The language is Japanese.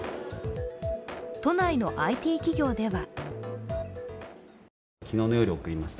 都内のＩＴ企業では。